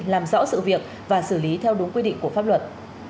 làm rõ sự việc và xử lý theo đúng quy định của pháp luật